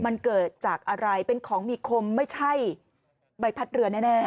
มันเกิดจากอะไรเป็นของมีคมไม่ใช่ใบพัดเรือแน่